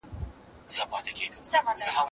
سياستوال به ټول امکانات له لاسه ورنکړي.